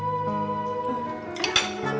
eh kamu tambah dong